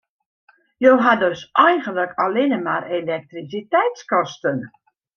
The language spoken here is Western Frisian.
Jo ha dus eigenlik allinne mar elektrisiteitskosten.